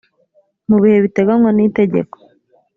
mu bihe biteganywa n itegeko